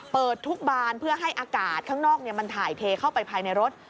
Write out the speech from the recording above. เปิดทุกบานเพื่อให้อากาศข้างนอกมันถ่ายเทเข้าไปภายในรถ